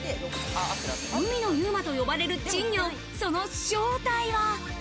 海のＵＭＡと呼ばれる珍魚、その正体は。